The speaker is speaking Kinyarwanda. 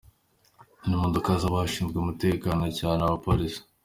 Ni imodoka z’abashinzwe umutekano cyane abapolisi.